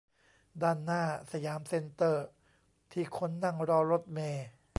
ด้านหน้าสยามเซ็นเตอร์ ที่คนนั่งรอรถเมล์